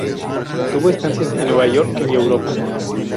Tuvo estancias en Nueva York y Europa.